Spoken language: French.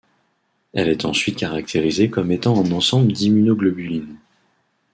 Elle est ensuite caractérisée comme étant un ensemble d'immunoglobulines.